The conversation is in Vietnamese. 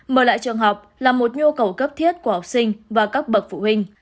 mở lại trường học là một nhu cầu cấp thiết của học sinh và các bậc phụ huynh